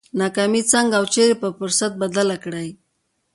ناکامي څنګه او چېرې پر فرصت بدله کړي؟